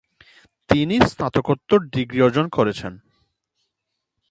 তিনি স্নাতকোত্তর ডিগ্রি অর্জন করেছেন।